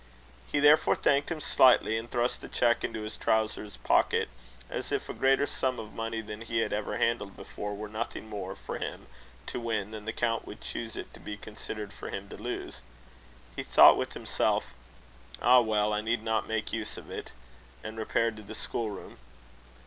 He therefore thanked him slightly, and thrust the cheque into his trowsers pocket, as if a greater sum of money than he had ever handled before were nothing more for him to win, than the count would choose it to be considered for him to lose. He thought with himself: "Ah! well, I need not make use of it;" and repaired to the school room.